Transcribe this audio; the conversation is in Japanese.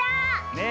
ねえ。